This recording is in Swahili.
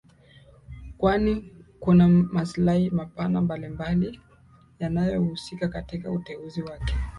Kwani kuna maslahi mapana mbalimbali yanaohusika katika uteuzi wake